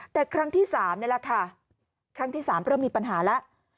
แต่ครั้งที่๓นี่แหละค่ะครั้งที่๓เริ่มมีปัญหาแล้ว